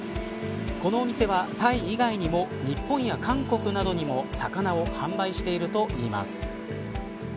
このお店はタイ以外にも日本や韓国などにも魚を販売しているといいます。